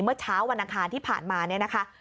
เมื่อเช้าวันอังคารที่ผ่านมาเนี่ยนะคะ